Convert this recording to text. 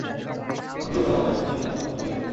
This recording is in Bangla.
আব্দুল রহমানের মন ভেঙে, আমি আপনাকে বিয়ে করি।